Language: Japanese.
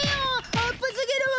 アップすぎるわ！